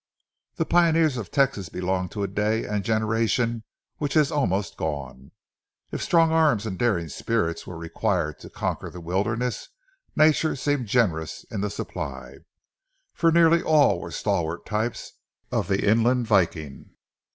The pioneers of Texas belong to a day and generation which has almost gone. If strong arms and daring spirits were required to conquer the wilderness, Nature seemed generous in the supply; for nearly all were stalwart types of the inland viking.